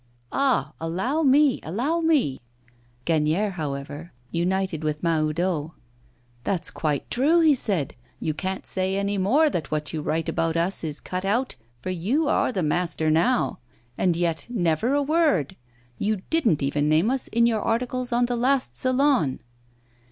'Ah! allow me, allow me ' Gagnière, however, united with Mahoudeau: 'That's quite true!' he said. 'You can't say any more that what you write about us is cut out, for you are the master now. And yet, never a word! You didn't even name us in your articles on the last Salon.